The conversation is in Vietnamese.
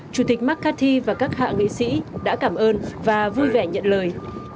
chủ tịch mccarthy và các hạ nghị sĩ đã cảm ơn và vui vẻ nhận lời